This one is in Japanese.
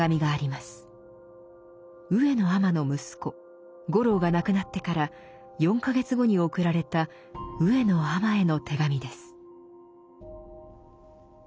上野尼の息子五郎が亡くなってから４か月後に送られた上野尼への手紙です。